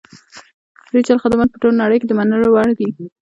ډیجیټل خدمات په ټوله نړۍ کې د منلو وړ دي.